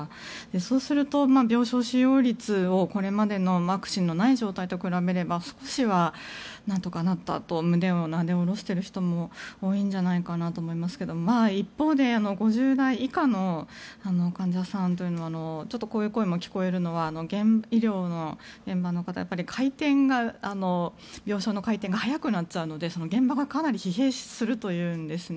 そうすると、病床使用率をこれまでのワクチンのない状態と比べれば少しはなんとかなったと胸をなで下ろしている人も多いんじゃないかと思いますが一方で５０代以下の患者さんというのはちょっとこういう声も聞こえるのは医療の現場の方病床の回転が速くなっちゃうので現場がかなり疲弊するというんですね。